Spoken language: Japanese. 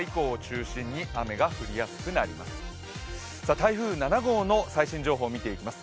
台風７号の最新情報を見ていきます。